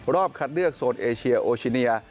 รอบคัดเลือกโซนเอเชียโอชิเนีย